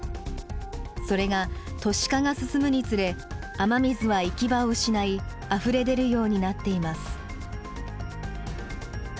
それが都市化が進むにつれ雨水は行き場を失いあふれ出るようになっています。